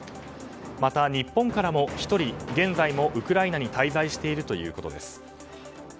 また、日本からも１人現在もウクライナに滞在しているということです。